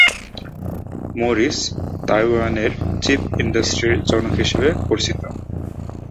Morris তাইওয়ানের chip ইন্ডাস্ট্রির জনক হিসেবে পরিচিত।